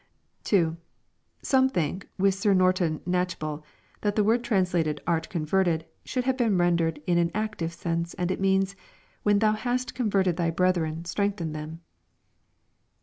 2. Some think, with Sir Norton KnatohbuU, that the word translated " art converted," should have been rendered in an active sense, and that it means, " When thou hast converted thy breth ren, strengthen them."